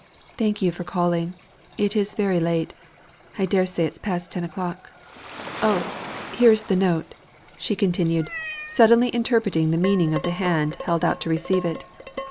"Thank you for calling. It is very late. I dare say it is past ten o'clock. Oh! here is the note!" she continued, suddenly interpreting the meaning of the hand held out to receive it.